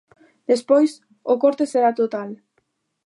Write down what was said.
Despois, o corte será total.